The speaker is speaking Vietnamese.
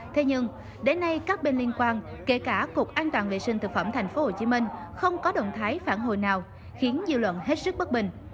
thế nhưng đến nay các bên liên quan kể cả cục an toàn vệ sinh thực phẩm thành phố hồ chí minh không có động thái phản hồi nào khiến dư luận hết sức bất bình